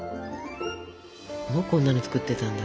もうこんなの作ってたんだ。